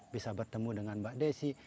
bisa bertemu dengan mbak desi